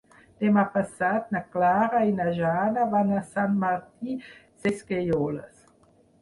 Demà passat na Clara i na Jana van a Sant Martí Sesgueioles.